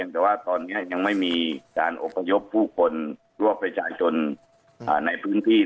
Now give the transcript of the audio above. แต่ว่าตอนนี้ยังไม่มีการอบพยพผู้คนร่วมประชาชนในพื้นที่